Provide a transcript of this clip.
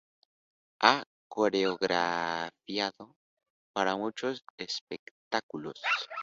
Ha coreografiado para muchos espectáculos.